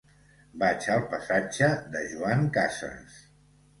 Vaig al passatge de Joan Casas.